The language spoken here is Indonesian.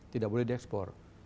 tidak boleh diekspor